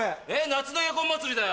夏のエアコン祭りだよ。